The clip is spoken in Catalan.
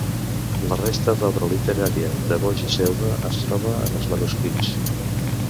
La resta d’obra literària de Boix i Selva es troba en els manuscrits.